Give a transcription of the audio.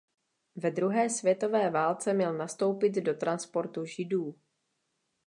Ve druhé světové válce měl nastoupit do transportu židů.